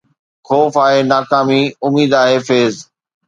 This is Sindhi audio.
خوف آهي ناڪامي، اميد آهي فيض